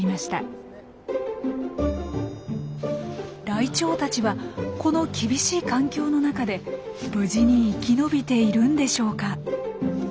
ライチョウたちはこの厳しい環境の中で無事に生き延びているんでしょうか？